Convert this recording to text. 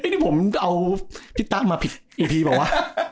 นี่ผมเอาพี่ตั๊กมาผิดอีพีเปล่าวะ